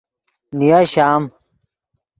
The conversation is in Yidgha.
نیا شام